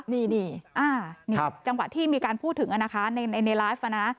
นี่จังหวะที่มีการพูดถึงนะคะในไลฟ์